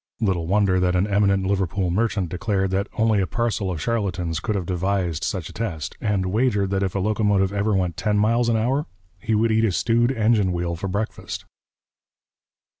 Little wonder that an eminent Liverpool merchant declared that only a parcel of charlatans could have devised such a test, and wagered that if a locomotive ever went ten miles an hour, he would eat a stewed engine wheel for breakfast!